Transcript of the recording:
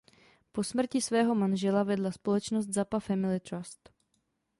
Po smrti svého manžela vedla společnost Zappa Family Trust.